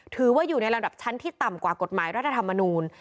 ถือว่าอยู่ในระดับชั้นที่ต่ำกว่ากฎหมายรัฐธรรมนูล